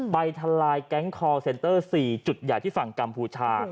ทลายแก๊งคอร์เซ็นเตอร์๔จุดใหญ่ที่ฝั่งกัมพูชา